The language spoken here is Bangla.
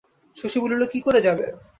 শশী বলিল, কী করে যাবে?